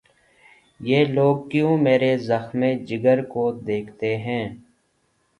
یہ لوگ کیوں مرے زخمِ جگر کو دیکھتے ہیں